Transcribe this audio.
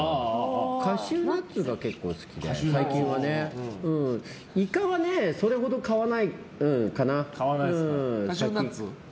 カシューナッツが結構好きで、最近はね。イカはそれほど買わないかな。